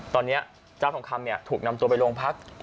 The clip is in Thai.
ตอนนี้เจ้าทองคำถูกนำตัวไปโรงพัก